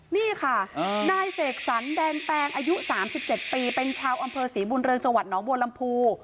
นี่ค่ะนายเสกสรรแดนแปงอายุ๓๗ปีเป็นชาวอำเภอศรีบุญเรืองจังหวัดน้องบัวลำพู